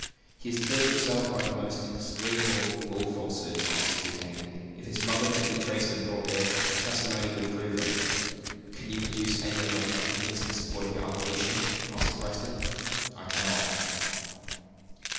"He has cleared himself by the most execrable of all falsehoods," answered Trudaine. "If his mother could be traced and brought here, her testimony would prove it." "Can you produce any other evidence in support of your allegation?" asked the president. "I cannot."